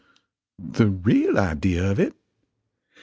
"The real idea of it!